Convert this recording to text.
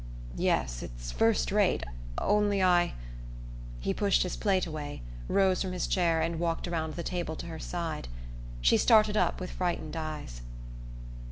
"Yes it's first rate. Only I " He pushed his plate away, rose from his chair, and walked around the table to her side. She started up with frightened eyes.